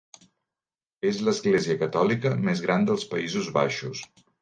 És l'església catòlica més gran dels Països Baixos.